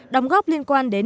đồng góp liên quan đến